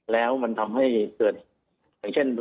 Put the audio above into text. แล้วมันทำให้เถือน